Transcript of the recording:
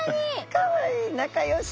かわいい仲よしだ。